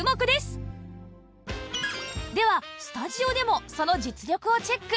ではスタジオでもその実力をチェック